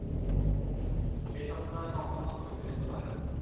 সেই সত্তা কখনও শরীর হইতে পারে না।